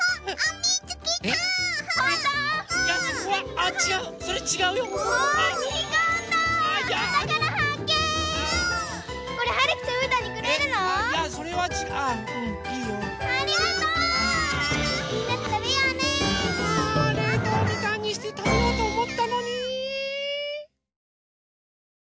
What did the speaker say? あれいとうみかんにしてたべようとおもったのに。